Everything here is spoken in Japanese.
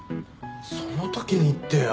そのときに言ってよ。